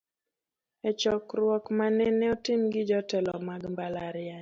E chokruok manene otim gi jotelo mag mbalariany.